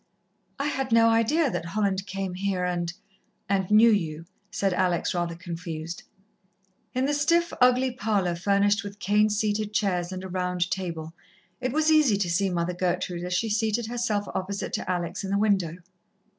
"I had no idea that Holland came here, and and knew you," said Alex, rather confused. In the stiff, ugly parlour, furnished with cane seated chairs and a round table, it was easy to see Mother Gertrude, as she seated herself opposite to Alex in the window.